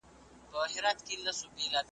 چي د بل په زور اسمان ته پورته کیږي ,